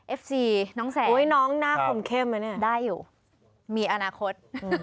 เอฟซีน้องแสงโอ้ยน้องหน้าขมเข้มอ่ะเนี่ยได้อยู่มีอนาคต